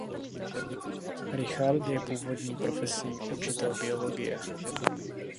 Richard je původní profesí učitel biologie.